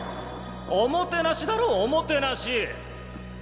おもてなしだろおもてなし！